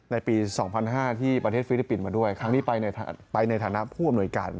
ในปี๒๐๐๕ที่ประเทศฟิลิปปินส์มาด้วยครั้งนี้ไปในฐานะผู้อำนวยการ